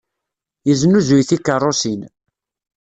Yesnuzuy tikeṛṛusin.